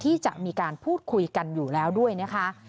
ที่จะมีการพูดคุยกันอยู่แล้วด้วยนะคะ